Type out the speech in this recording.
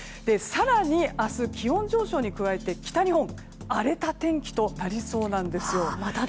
更に、明日は気温上昇に加えて北日本は荒れた天気となりそうなんですよ。